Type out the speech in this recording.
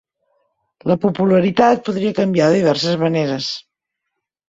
La Popularitat podia canviar de diverses maneres.